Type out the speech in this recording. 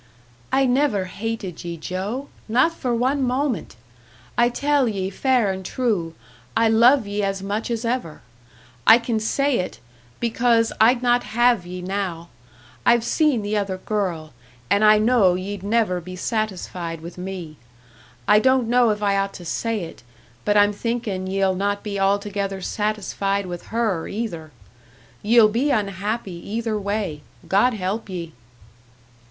"I never hated ye, Joe! Not for one moment! I tell ye fair and true, I love ye as much as ever. I can say it, because I'd not have ye now; I've seen the other girl, and I know ye'd never be satisfied with me. I don't know if I ought to say it, but I'm thinkin' ye'll not be altogether satisfied with her, either. Ye'll be unhappy either way God help ye!"